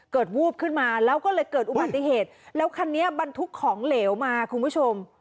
วูบขึ้นมาแล้วก็เลยเกิดอุบัติเหตุแล้วคันนี้บรรทุกของเหลวมาคุณผู้ชม